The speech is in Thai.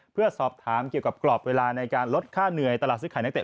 เพื่อสอบถามเกี่ยวกับกรอบเวลาในการลดค่าเหนื่อยตลาดซื้อขายนักเตะ